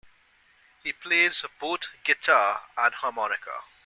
He plays both guitar and harmonica.